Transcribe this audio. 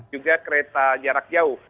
juga kereta jarak jauh